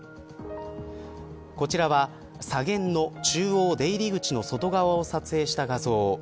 こちらは、左舷の中央出入り口の外側を撮影した画像。